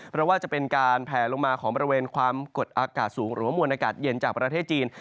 เพราะว่าจะเป็นการแผลลงมาของบริเวณความกดอากาศสูงหรือว่ามวลอากาศเย็นจากประเทศจีน